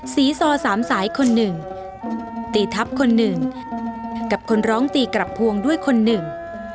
สีซอสามสายคนหนึ่งตีทับคนหนึ่งกับคนร้องตีกลับพวงด้วยคนหนึ่ง